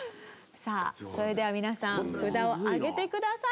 さあそれでは皆さん札を上げてください。